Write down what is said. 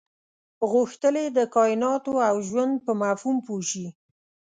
غوښتل یې د کایناتو او ژوند په مفهوم پوه شي.